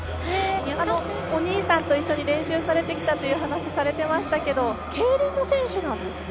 お兄さんと一緒に練習されてきたとお話されていましたけど競輪の選手なんですね。